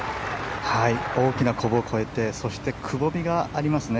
大きなこぶを越えてそしてくぼみがありますね。